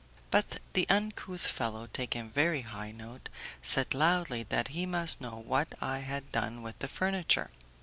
But the uncouth fellow, taking a very high tone, said loudly that he must know what I had done with the furniture.